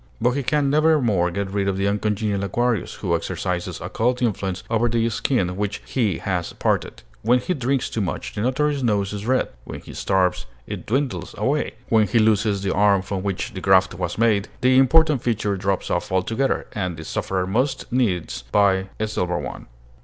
But he can nevermore get rid of the uncongenial Aquarius, who exercises occult influence over the skin with which he has parted. When he drinks too much, the Notary's nose is red; when he starves, it dwindles away; when he loses the arm from which the graft was made, the important feature drops off altogether, and the sufferer must needs buy a silver one.